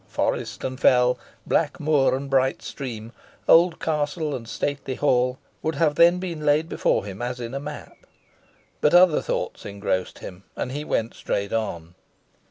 Forest and fell, black moor and bright stream, old castle and stately hall, would have then been laid before him as in a map. But other thoughts engrossed him, and he went straight on.